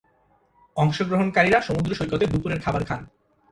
অংশগ্রহণকারীরা সমুদ্র সৈকতে দুপুরের খাবার খান।